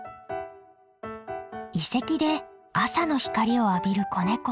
遺跡で朝の光を浴びる子ネコ。